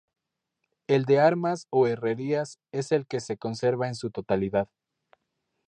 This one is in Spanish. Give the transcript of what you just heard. El de Armas o Herrerías es el que se conserva en su totalidad.